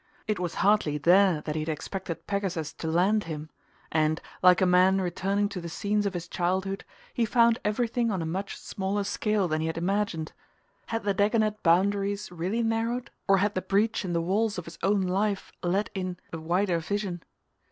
It was hardly there that he had expected Pegasus to land him; and, like a man returning to the scenes of his childhood, he found everything on a much smaller scale than he had imagined. Had the Dagonet boundaries really narrowed, or had the breach in the walls of his own life let in a wider vision?